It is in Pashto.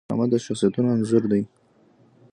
ډرامه د شخصیتونو انځور دی